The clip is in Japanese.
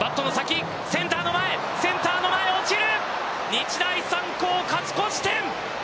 日大三高、勝ち越し点。